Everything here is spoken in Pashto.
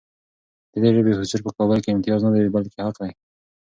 د دې ژبې حضور په کابل کې امتیاز نه دی، بلکې حق دی.